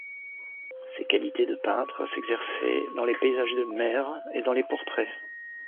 Ses qualités de peintres s'exerçaient dans les paysages de mer et dans les portraits.